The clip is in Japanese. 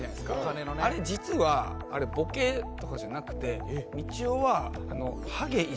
実はあれボケとかじゃなくてみちおは。